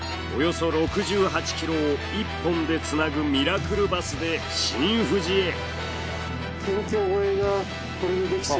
およそ６８ｋｍを１本でつなぐミラクルバスで新富士へ。